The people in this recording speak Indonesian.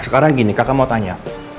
sekarang gini kakak mau tanya